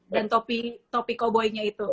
dan topi topi koboinya itu